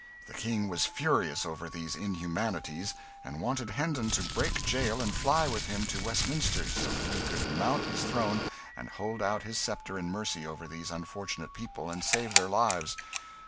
The King was furious over these inhumanities, and wanted Hendon to break jail and fly with him to Westminster, so that he could mount his throne and hold out his sceptre in mercy over these unfortunate people and save their lives.